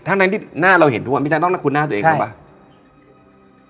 ทั้งที่หน้าเราเห็นทุกวันพี่ชักต้องคุ้นหน้าตัวเองใช่ไหม